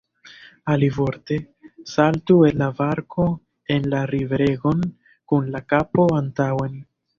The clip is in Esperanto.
Alivorte: saltu el la barko en la riveregon, kun la kapo antaŭen!